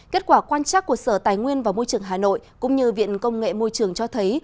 kết quả quan chắc của sở tài nguyên và môi trường hà nội cũng như viện công nghệ môi trường cho thấy